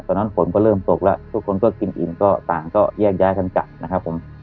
ตอนนั้นฝนก็เริ่มตกแล้วทุกคนก็กินอิ่มก็ต่างก็แยกย้ายกันกลับนะครับผม